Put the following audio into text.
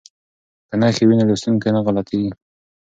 که نښې وي نو لوستونکی نه غلطیږي.